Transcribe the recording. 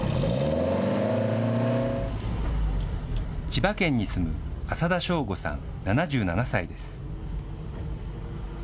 千葉県に住む浅田正吾さん７７歳です。